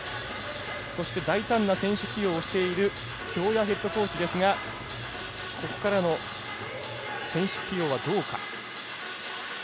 そして大胆な選手起用をしている京谷ヘッドコーチですがここからの選手起用はどうか。